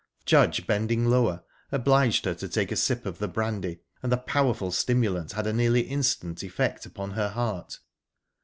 Judge, bending lower, obliged her to take a sip of the brandy, and the powerful stimulant had a nearly instant effect upon her heart.